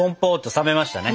冷めましたね。